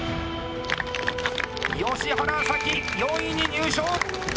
吉原沙喜、４位に入賞！